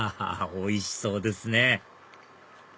おいしそうですね